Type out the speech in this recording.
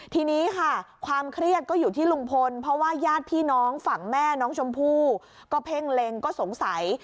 ทีนี้ค่ะความเครียดก็อยู่ที่ลุงพลเพราะว่าญาติพี่น้องฝั่งแม่น้องชมพู่ก็เพ่งเล็งก็สงสัย